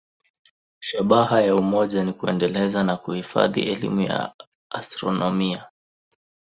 Shabaha ya umoja ni kuendeleza na kuhifadhi elimu ya astronomia.